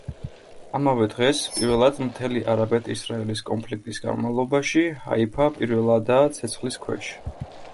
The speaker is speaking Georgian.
ამავე დღეს, პირველად მთელი არაბეთ-ისრაელის კონფლიქტის განმავლობაში, ჰაიფა პირველადაა ცეცხლის ქვეშ.